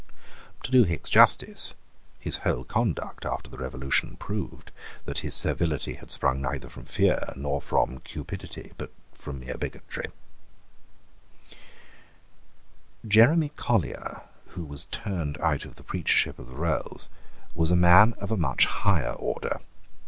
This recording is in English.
To do Hickes justice, his whole conduct after the Revolution proved that his servility had sprung neither from fear nor from cupidity, but from mere bigotry, Jeremy Collier, who was turned out of the preachership of the Rolls, was a man of a much higher order.